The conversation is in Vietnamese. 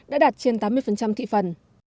đã đạt trên tám mươi thị phần